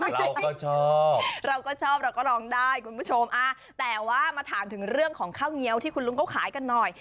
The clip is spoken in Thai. แต่ว่าอย่ามาถามถึงเรื่องของข้าวเงี๋ยวที่คุณลุงเขาขายกันหน่อย